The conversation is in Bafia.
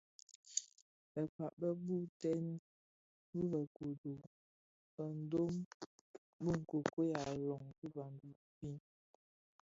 Bëkpag be boytèn bi bë kodo bë ndom bi nkokuei a ilön ki Babimbi.